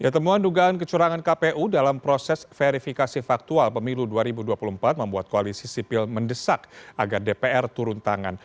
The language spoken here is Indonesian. temuan dugaan kecurangan kpu dalam proses verifikasi faktual pemilu dua ribu dua puluh empat membuat koalisi sipil mendesak agar dpr turun tangan